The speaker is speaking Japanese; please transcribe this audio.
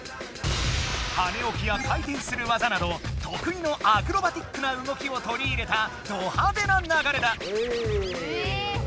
はねおきや回てんする技などとくいのアクロバティックな動きをとり入れたドはでな流れだ。